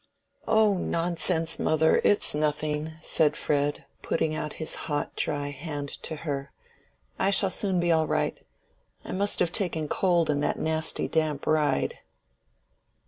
"Oh, nonsense, mother! It's nothing," said Fred, putting out his hot dry hand to her, "I shall soon be all right. I must have taken cold in that nasty damp ride."